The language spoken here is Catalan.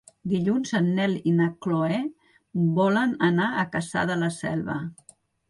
Dilluns en Nel i na Chloé volen anar a Cassà de la Selva.